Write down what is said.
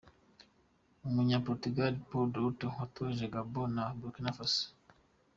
Umunya Portugal Paulo Duarte watoje Gabon na Burkina Faso.